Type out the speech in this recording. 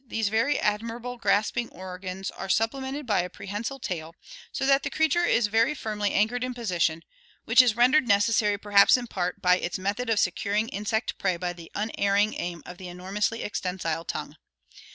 These very" admirable grasping organs are supplemented by a prehensile tail, so that the creature is very firmly anchored in position, which is rendered necessary perhaps in part by its method of securing in sect prey by the unerring aim of the enormously extensile tongue.